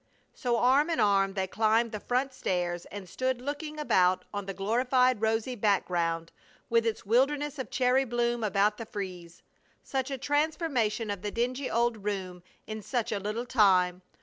So arm in arm they climbed the front stairs and stood looking about on the glorified rosy background with its wilderness of cherry bloom about the frieze. Such a transformation of the dingy old room in such a little time!